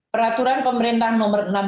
peraturan pemerintah nomor enam belas